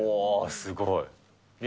すごい。